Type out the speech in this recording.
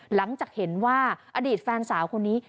หลังจากเห็นว่าอดีตแฟนสาวคนนี้